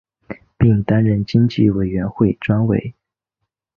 并担任经济委员会专委。